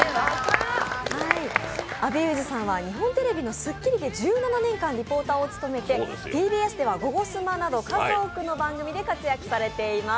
阿部祐二さんは日本テレビの「スッキリ」で１７年間リポーターを務めてＴＢＳでは「ゴゴスマ」など数多くの番組で活躍されています。